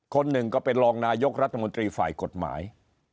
คนหนึ่งก็เป็นรองนายกรัฐมนตรีฝ่ายกฎหมาย